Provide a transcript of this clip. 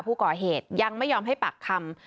ผู้ก่อเหตุยังไม่ยอมให้ปากคำ